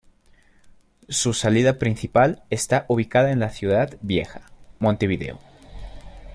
Su salida principal está ubicada en la Ciudad Vieja, Montevideo.